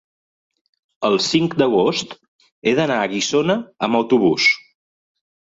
el cinc d'agost he d'anar a Guissona amb autobús.